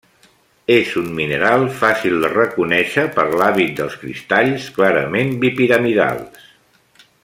És un mineral fàcil de reconèixer per l'hàbit dels cristalls, clarament bipiramidals.